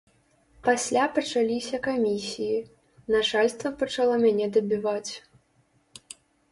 Пасля пачаліся камісіі, начальства пачало мяне дабіваць.